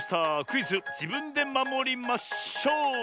クイズ「じぶんでまもりまショウ」！